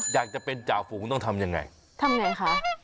อยากจะเป็นจ่าฝูงต้องทำยังไงทำไงคะ